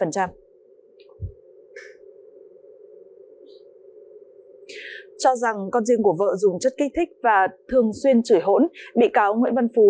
cho rằng con riêng của vợ dùng chất kích thích và thường xuyên chửi hỗn bị cáo nguyễn văn phú